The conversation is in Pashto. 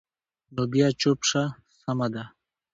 نو بیا چوپ شه، سمه ده.